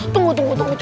tunggu tunggu tunggu